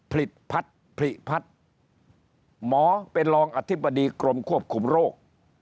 พัดผลิพัดหมอเป็นรองอธิบดีกรมควบคุมโรค